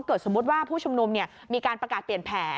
สมมุติว่าผู้ชุมนุมมีการประกาศเปลี่ยนแผล